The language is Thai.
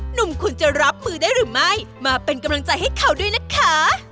หนุ่มคุณจะรับมือได้หรือไม่มาเป็นกำลังใจให้เขาด้วยนะคะ